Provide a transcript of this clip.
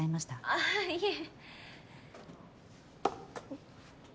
あっいえ。